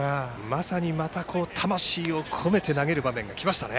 まさに、また魂を込めて投げる場面がきましたね。